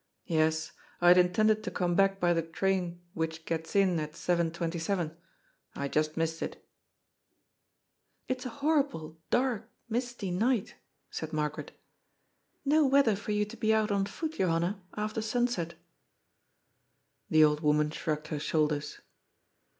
" Yes, I had intended to come back by the train which gets in at 7.27. I just missed it" 424 GOD'S FOOL. ^^ It is a borrible, dark, misty night," said Margaret. ^* No weather for you to be oat on foot, Johanna, after son set" The old woman shrugged her shoulders.